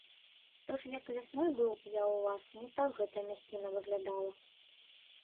То ж як вясной быў я ў вас, не так гэта мясціна выглядала!